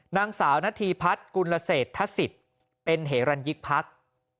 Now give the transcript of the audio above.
นางสาวนาธีพัฒน์กุลเศรษฐศิษย์เป็นเหรันยิกพัก